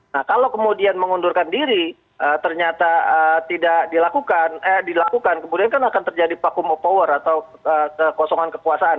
nah kalau kemudian mengundurkan diri ternyata tidak dilakukan kemudian kan akan terjadi vacuum of power atau kekosongan kekuasaan